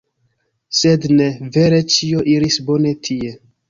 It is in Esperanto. Sed ne. Vere, ĉio iris bone tie.